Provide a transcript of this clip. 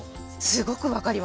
すごく分かります。